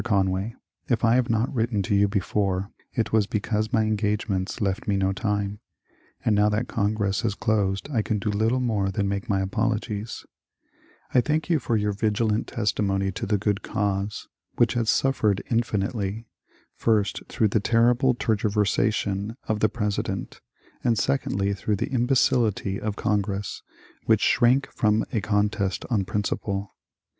Conway, — If I have not written to you before v ^* it was because my engagements left me no time, and now that ^ Congress has closed I can do little more than make my apolo gies V ^ I thank you for your vigilant testimony to the good cause, r^ which has suffered infinitely, first, through the terrible tergiv ^ ersation of the President, and secondly, through the imbecility of Congress, which shrank from a contest on principle.